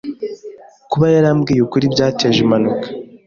Kuba yarambwiye ukuri byateje impanuka.